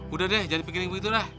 udah deh jangan mikirin begitu dah